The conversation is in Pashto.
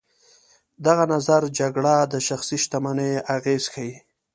دغه نظر جګړه د شخصي شتمنیو اغېزه ښيي.